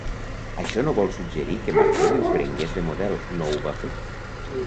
Això no vol suggerir que Martell el prengués de model, no ho va fer.